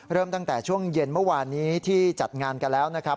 เริ่มตั้งแต่ช่วงเย็นเมื่อวานนี้ที่จัดงานกันแล้วนะครับ